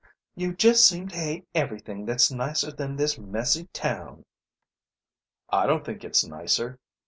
"You just seem to hate everything that's nicer than this messy town " "I don't think it's nicer.